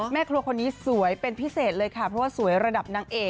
แม่ครัวคนนี้สวยเป็นพิเศษเลยค่ะเพราะว่าสวยระดับนางเอก